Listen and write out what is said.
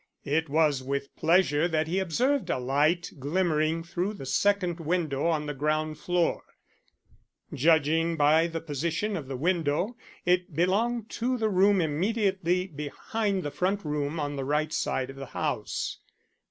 It was with pleasure that he observed a light glimmering through the second window on the ground floor. Judging by the position of the window, it belonged to the room immediately behind the front room on the right side of the house.